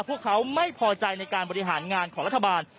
พวกเขาไม่พอใจในการบริหารงานของรัฐบาล